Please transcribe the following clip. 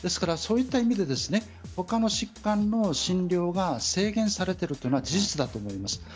そういった意味で他の疾患の診療が制限されているというのは事実だと思います。